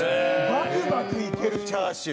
バクバクいけるチャーシュー。